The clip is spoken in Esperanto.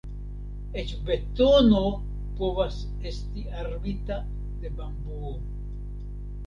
Eĉ betono povas esti armita de bambuo.